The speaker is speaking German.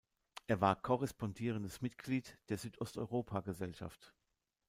Er war korrespondierendes Mitglied der Südosteuropa-Gesellschaft.